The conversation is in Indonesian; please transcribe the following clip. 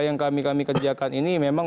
yang kami kami kerjakan ini memang